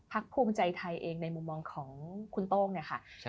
ภูมิใจไทยเองในมุมมองของคุณโต้งเนี่ยค่ะ